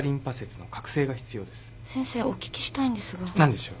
先生お聞きしたいんですが。何でしょう？